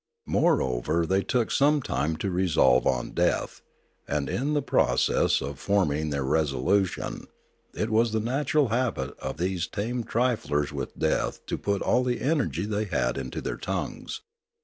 Moreover they took some time to resolve on death; and, in the process of form ing their resolution, it was the natural habit of these tame triflers with death to put all the energy they had into their tongues.